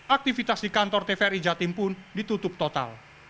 aktivitas di kantor tvri jatim pun ditutup total